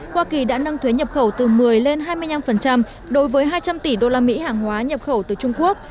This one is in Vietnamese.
hoa kỳ đã nâng thuế nhập khẩu từ một mươi lên hai mươi năm đối với hai trăm linh tỷ usd hàng hóa nhập khẩu từ trung quốc